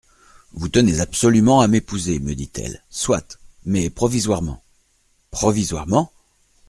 Vous tenez absolument à m’épouser, me dit-elle, soit, mais provisoirement !«— Provisoirement ?